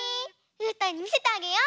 うーたんにみせてあげよう！